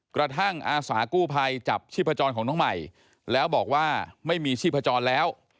อาสากู้ภัยจับชีพจรของน้องใหม่แล้วบอกว่าไม่มีชีพจรแล้ว